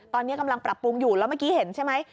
ตอนนี้กำลังปรับปรุงอยู่แล้วเมื่อกี้เห็นใช่ไหม